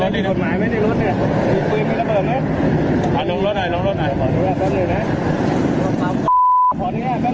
เดี๋ยวลองรถหน่อยก่อนขออนุญาตตรวจกันซึ่งนะพี่นะ